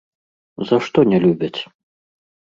За што не любяць?